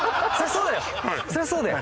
そりゃそうだよ！